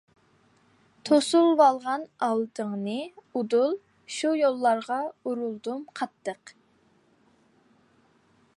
توسۇۋالغان ئالدىڭنى ئۇدۇل، شۇ يوللارغا ئۇرۇلدۇم قاتتىق.